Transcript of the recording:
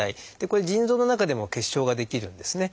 これ腎臓の中でも結晶が出来るんですね。